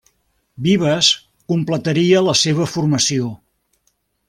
Vives completaria la seva formació.